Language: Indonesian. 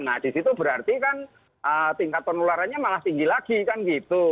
nah di situ berarti kan tingkat penularannya malah tinggi lagi kan gitu